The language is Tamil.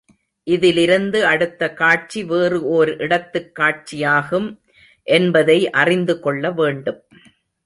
இதிலிருந்து அடுத்த காட்சி வேறு ஓர் இடத்துக் காட்சியாகும் என்பதை அறிந்துக் கொள்ள வேண்டும்.